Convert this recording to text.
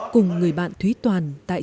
cùng người bạn thúy toàn tại trường